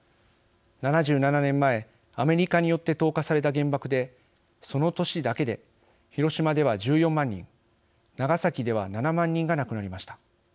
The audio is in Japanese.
７７年前、アメリカによって投下された原爆でその年だけで広島では１４万人長崎では７万人が亡くなりました。